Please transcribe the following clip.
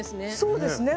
そうですね。